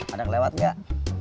ada kelewat nggak